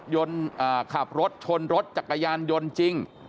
ขับรถชนรถจักรยานยนต์จริง